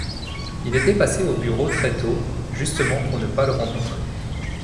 Il était passé au bureau très tôt, justement pour ne pas le rencontrer.